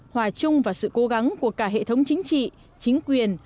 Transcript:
hòa chung vào sự cố gắng của cả hệ thống chính trị chính quyền